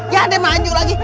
ya deh maju lagi